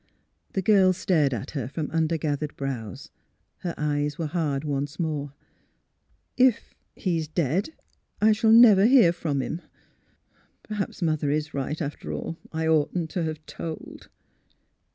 The girl stared at her from under gathered brows. Her eyes were hard once more. " If he's — dead, I shall never hear from him. Perhaps Mother is right, after all. I oughtn't to have told."